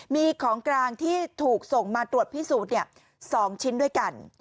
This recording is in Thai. มีของกลางที่ถูกส่งมาตรวจพิสูจน์๒ชิ้นด้วยกัน